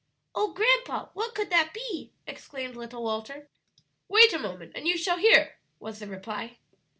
"Oh, grandpa, what could that be?" exclaimed little Walter. "Wait a moment and you shall hear," was the reply.